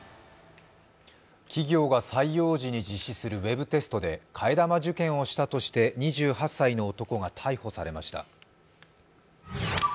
企業が採用時に実施するウェブテストで替え玉受検をしたとして２８歳の男が逮捕されました。